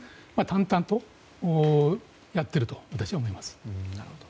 淡々とやっていると私は思います。